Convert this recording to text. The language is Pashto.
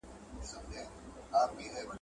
پانګه د کار د فرصتونو د بدلون سبب کېږي.